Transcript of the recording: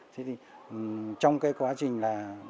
thế thì trong cái quá trình là